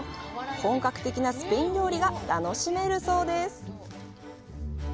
本格的なスペイン料理が楽しめるそうです。